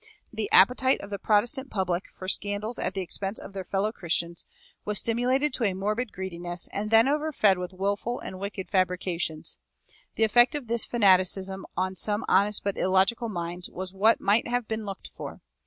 The appetite of the Protestant public for scandals at the expense of their fellow Christians was stimulated to a morbid greediness and then overfed with willful and wicked fabrications. The effect of this fanaticism on some honest but illogical minds was what might have been looked for.